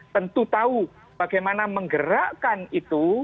tentu tahu bagaimana menggerakkan itu